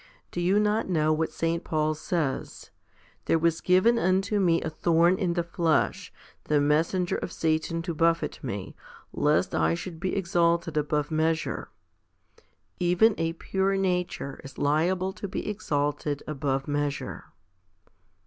Do you not know what St. Paul says, There was given unto me a thorn in the flesh, the messenger of Satan to buffet me, lest I should be exalted above mea sure? 1 Even a pure nature is liable to be exalted above measure.